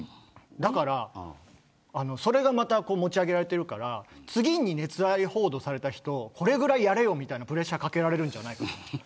だから、それがまた持ち上げられているから次に熱愛報道された人これぐらいやれよというプレッシャーをかけられるんじゃないかなと。